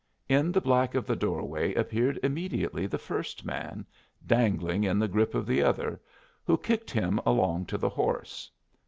In the black of the doorway appeared immediately the first man, dangling in the grip of the other, who kicked him along to the horse.